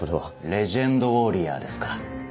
『レジェンドウォーリアー』ですか？